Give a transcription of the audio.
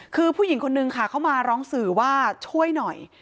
คือผู้หญิงคนนึงค่ะเข้ามาร้องสื่อว่าช่วยหน่อย